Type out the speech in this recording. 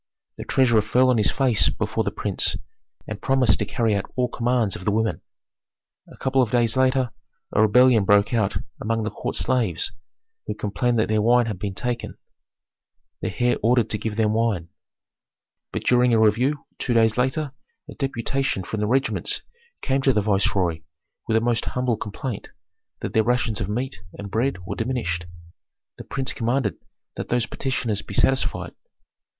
The treasurer fell on his face before the prince, and promised to carry out all commands of the women. A couple of days later, a rebellion broke out among the court slaves, who complained that their wine had been taken. The heir ordered to give them wine. But during a review two days later a deputation from the regiments came to the viceroy with a most humble complaint, that their rations of meat and bread were diminished. The prince commanded that those petitioners be satisfied.